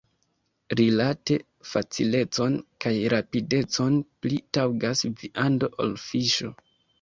Rilate facilecon kaj rapidecon pli taŭgas viando ol fiŝo.